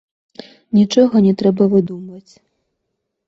Нічога не трэба выдумваць.